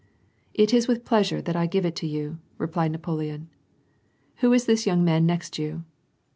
"It is with pleasure that I give it to you," replied Napoleon. "Who is this young man next you